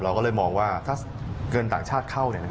ก็เลยมองว่าถ้าเกินต่างชาติเข้า